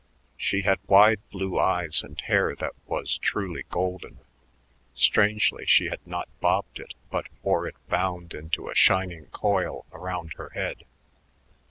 She had wide blue eyes and hair that was truly golden. Strangely, she had not bobbed it but wore it bound into a shining coil around her head.